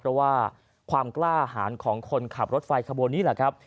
เพราะว่าความกล้าหารของคนขับรถไฟขบวนนี้แหละครับ